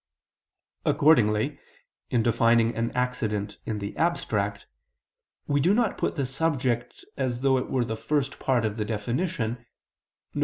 Accordingly in defining an accident in the abstract, we do not put the subject as though it were the first part of the definition, viz.